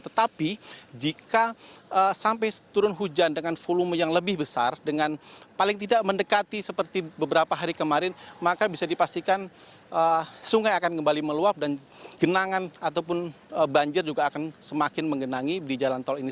tetapi jika sampai turun hujan dengan volume yang lebih besar dengan paling tidak mendekati seperti beberapa hari kemarin maka bisa dipastikan sungai akan kembali meluap dan genangan ataupun banjir juga akan semakin menggenangi di jalan tol ini